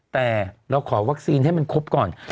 แต่เราขอวัคซีนให้มันครบก่อน